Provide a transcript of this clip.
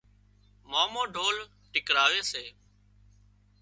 مامو ڍول ٽِڪراوي سي